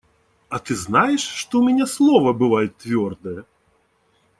А ты знаешь, что у меня слово бывает твердое?